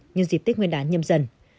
như dịp tích nguyên đán nhầm dần